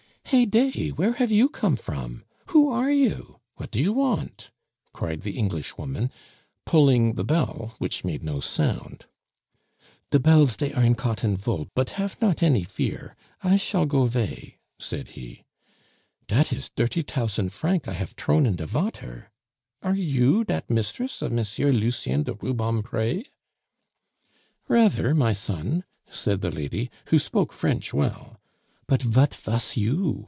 "Heyday! were have you come from? who are you? what do you want?" cried the Englishwoman, pulling the bell, which made no sound. "The bells dey are in cotton vool, but hafe not any fear I shall go 'vay," said he. "Dat is dirty tousant franc I hafe tron in de vater. Are you dat mistress of Mensieur Lucien de Rubempre?" "Rather, my son," said the lady, who spoke French well, "But vat vas you?"